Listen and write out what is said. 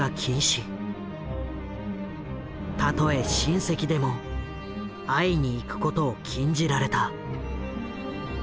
たとえ親戚でも会いに行くことを禁じられた。